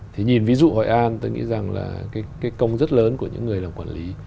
thì nhìn ví dụ hội an tôi nghĩ rằng là cái công rất lớn của những người làm quản lý